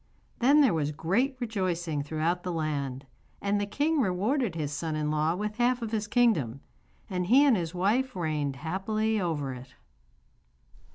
Then there was great rejoicing throughout the land, and the king rewarded his son in law with half of his kingdom, and he and his wife reigned happily over it.